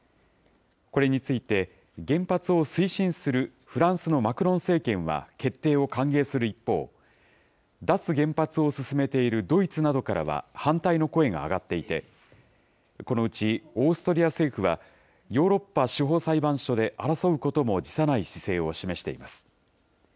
これについて、原発を推進するフランスのマクロン政権は決定を歓迎する一方、脱原発を進めているドイツなどからは反対の声が上がっていて、このうちオーストリア政府は、ヨーロッパ司法裁判所で争うことも辞さない姿勢を示しています。